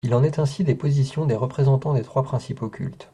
» Il en est ainsi des positions des représentants des trois principaux cultes.